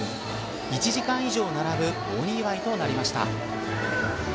１時間以上並ぶ大にぎわいとなりました。